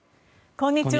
こんにちは。